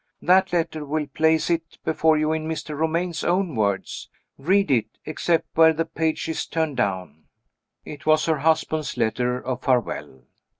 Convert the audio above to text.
That letter will place it before you in Mr. Romayne's own words. Read it, except where the page is turned down." It was her husband's letter of farewell.